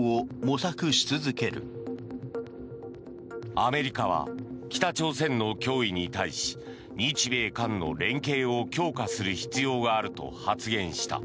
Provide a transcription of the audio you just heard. アメリカは北朝鮮の脅威に対し日米韓の連携を強化する必要があると発言した。